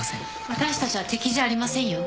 私たちは敵じゃありませんよ。